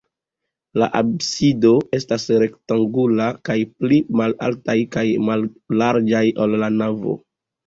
La absido estas rektangula kaj pli malalta kaj mallarĝa, ol la navo.